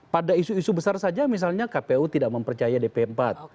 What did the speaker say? pada isu isu besar saja misalnya kpu tidak mempercaya dp empat